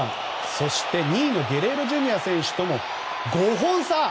そして、２位のゲレーロＪｒ．選手とも５本差。